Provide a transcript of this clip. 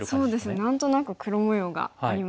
何となく黒模様がありますね。